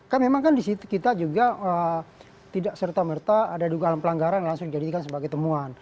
kan memang kan disitu kita juga tidak serta merta ada dugaan pelanggaran langsung dijadikan sebagai temuan